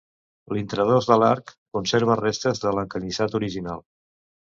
L'intradós de l'arc conserva restes de l'encanyissat original.